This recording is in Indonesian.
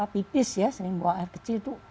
pipis ya sering buang air kecil itu